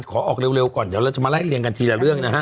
ขอออกเร็วก่อนเดี๋ยวเราจะมาไล่เรียงกันทีละเรื่องนะฮะ